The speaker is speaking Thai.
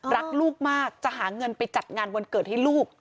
รักลูกมากจะหาเงินไปจัดงานวันเกิดให้ลูก